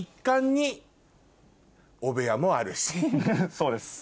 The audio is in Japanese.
そうです。